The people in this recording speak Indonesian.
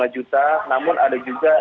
dua juta namun ada juga